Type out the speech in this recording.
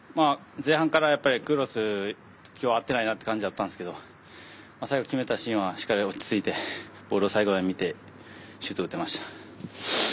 前半からクロスきょう合ってないなという感じだったんですけれど最後決めたシーンが落ち着いてゴールサイドを見てシュートが打てました。